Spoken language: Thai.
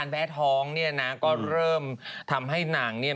แพ้ท้องเนี่ยนะก็เริ่มทำให้หนังเนี่ย